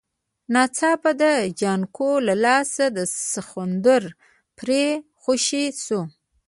ناڅاپه د جانکو له لاسه د سخوندر پړی خوشی شو.